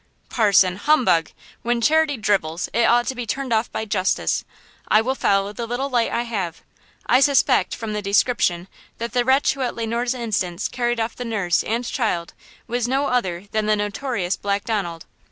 "Parson, humbug! When charity drivels it ought to be turned off by justice! I will follow the little light I have. I suspect, from the description, that the wretch who at Le Noir's instance carried off the nurse and child was no other than the notorious Black Donald.